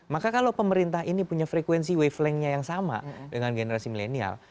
maka kalau pemerintah ini punya frekuensi wave lengknya yang sama dengan generasi milenial